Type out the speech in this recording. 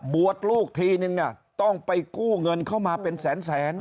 ลูกทีนึงต้องไปกู้เงินเข้ามาเป็นแสน